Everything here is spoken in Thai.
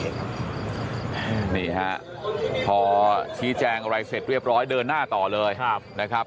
นี่ฮะพอชี้แจงอะไรเสร็จเรียบร้อยเดินหน้าต่อเลยนะครับ